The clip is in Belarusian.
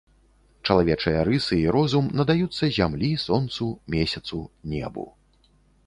Чалавечыя рысы і розум надаюцца зямлі, сонцу, месяцу, небу.